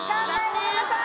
ごめんなさい！